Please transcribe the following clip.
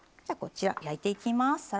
じゃこちら焼いていきます。